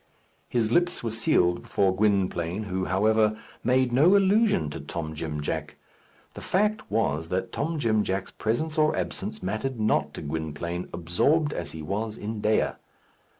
His lips were sealed before Gwynplaine, who, however, made no allusion to Tom Jim Jack. The fact was that Tom Jim Jack's presence or absence mattered not to Gwynplaine, absorbed as he was in Dea.